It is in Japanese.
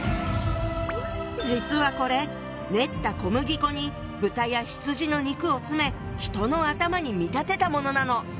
実はこれ練った小麦粉に豚や羊の肉を詰め人の頭に見立てたものなの！